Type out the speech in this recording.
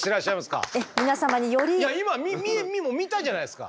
今見たじゃないですか！